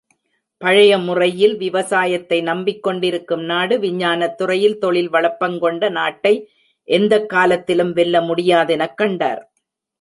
பழைய முறையில் விவசாயத்தை நம்பிக்கொண்டிருக்கும் நாடு விஞ்ஞானத் துறையில் தொழில் வளப்பங்கொண்ட நாட்டை எந்தக்காலத்திலும் வெல்லமுடியாதெனக் கண்டார்.